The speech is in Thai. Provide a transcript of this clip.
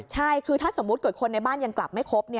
ใช่คือถ้าสมมุติเกิดคนในบ้านยังกลับไม่ครบ